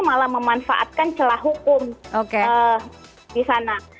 malah memanfaatkan celah hukum di sana